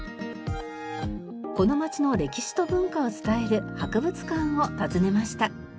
この街の歴史と文化を伝える博物館を訪ねました。